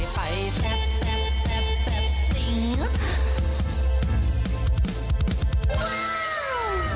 แซ่บแซ่บแซ่บซิ่ง